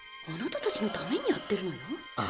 あなたたちのためにやってるのよ。